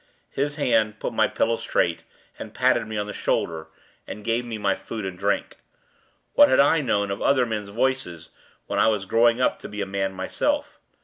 His hand put my pillow straight, and patted me on the shoulder, and gave me my food and drink. What had I known of other men's voices, when I was growing up to be a man myself?